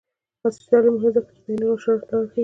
عصري تعلیم مهم دی ځکه چې د آنلاین نشراتو لارې ښيي.